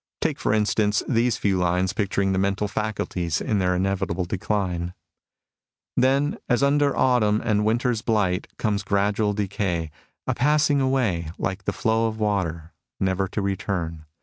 Take, for instance, these few lines picturing the mental faculties in their inevitable decline :" Then, as under autumn and winter's blight, comes gradual decay; a passing away, like the fiow of water, never to return.